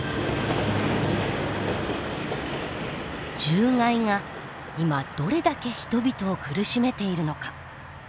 獣害が今どれだけ人々を苦しめているのか。